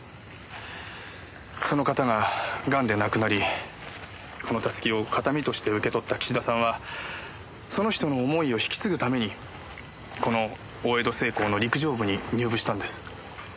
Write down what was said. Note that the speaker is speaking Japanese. その方がガンで亡くなりこのたすきを形見として受け取った岸田さんはその人の思いを引き継ぐためにこの大江戸製鋼の陸上部に入部したんです。